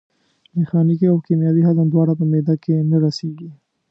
میخانیکي او کیمیاوي هضم دواړه په معدې کې نه رسېږي.